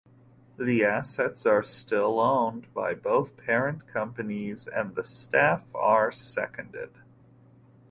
The assets are still owned by both parent companies and the staff are seconded.